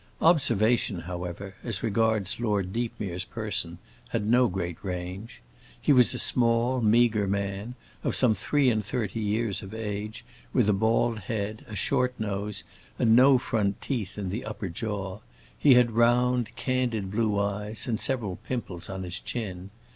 Observation, however, as regards Lord Deepmere's person; had no great range. He was a small, meagre man, of some three and thirty years of age, with a bald head, a short nose and no front teeth in the upper jaw; he had round, candid blue eyes, and several pimples on his chin.